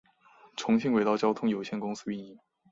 重庆轨道交通有限公司运营。